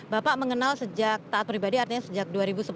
bapak mengenal sejak taat pribadi artinya sejak dua ribu sebelas